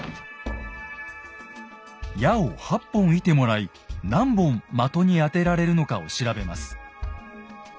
矢を８本射てもらい何本的に当てられるのかを調べます。